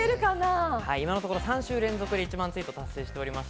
今のところ３週連続で１万ツイートを達成しています。